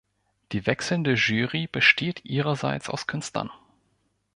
Die wechselnde Jury besteht ihrerseits aus Künstlern.